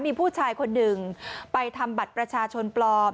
มีผู้ชายคนหนึ่งไปทำบัตรประชาชนปลอม